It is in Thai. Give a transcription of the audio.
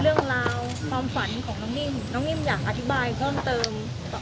เรื่องราวความฝันของน้องนิ่มน้องนิ่มอยากอธิบายเพิ่มเติม